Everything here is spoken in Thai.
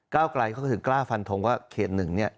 ไกลเขาก็ถึงกล้าฟันทงว่าเขตหนึ่งเนี่ย